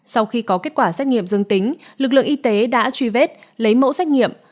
sau khi có kết quả xét nghiệm dương tính lực lượng y tế đã truy vết lấy mẫu xét nghiệm